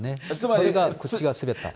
それが口が滑った。